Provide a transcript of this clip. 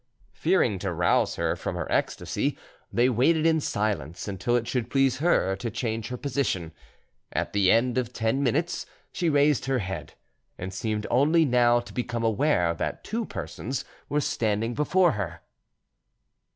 Fearing to rouse her from her ecstasy, they waited in silence until it should please her to change her position. At the end of ten minutes she raised her head, and seemed only now to become aware that two persons were standing before her.